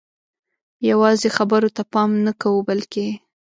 یوازې خبرو ته پام نه کوو بلکې